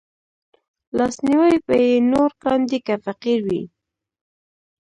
لاسنيوی به يې نور کاندي که فقير وي